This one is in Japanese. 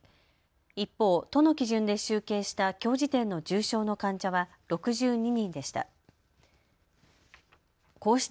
一方、都の基準で集計したきょう時点の重症の患者は６２人でした。